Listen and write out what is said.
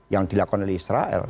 yang dilakukan oleh israel